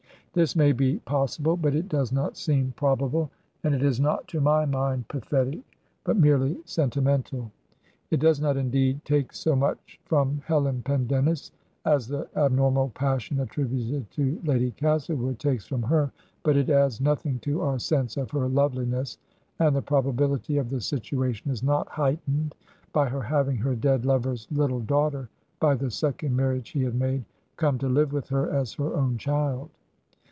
This may be possible, but it does not seem prob able, and it is not to my mind pathetic, but merely sen timental. It does not indeed take so much from Helen Pendennis as the abnormal passion attributed to Lady Castlewood takes from her, but it adds nothing to our sense of her loveliness ; and the probability of the situa tion is not heightened by her having her dead lover's Ut tle daughter (by the second marriage he had made) come to live with her as her own child.